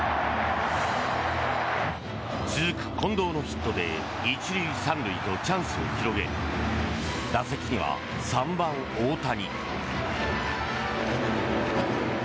続く近藤のヒットで１塁３塁とチャンスを広げ打席には３番、大谷。